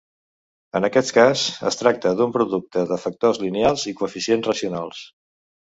En aquest cas, es tracta d'un producte de factors lineals i coeficients racionals.